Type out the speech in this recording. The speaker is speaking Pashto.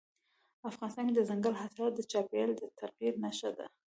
افغانستان کې دځنګل حاصلات د چاپېریال د تغیر نښه ده.